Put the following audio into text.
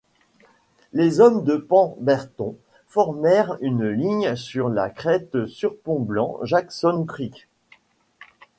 Les hommes de Pemberton formèrent une ligne sur la crête surplombant Jackson Creek.